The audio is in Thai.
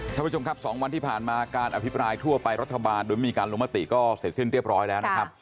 ท่านผู้ชมครับ๒วันที่ผ่านมาการอภิปรายทั่วไปรัฐบาลโดยไม่มีการลงมติก็เสร็จสิ้นเรียบร้อยแล้วนะครับ